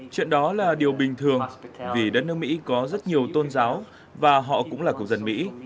chuyện đó là điều bình thường vì đất nước mỹ có rất nhiều tôn giáo và họ cũng là cục dân mỹ